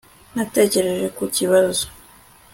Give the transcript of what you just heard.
Natekereje ku kibazo